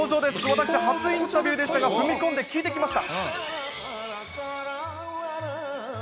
私、初インタビューでしたが、踏み込んで聞いてきました。